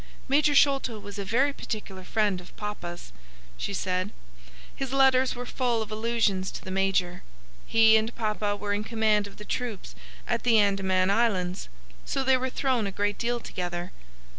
"Major Sholto was a very particular friend of papa's," she said. "His letters were full of allusions to the major. He and papa were in command of the troops at the Andaman Islands, so they were thrown a great deal together.